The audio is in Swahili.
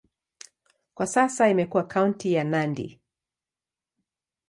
Kwa sasa imekuwa kaunti ya Nandi.